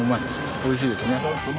おいしいですね。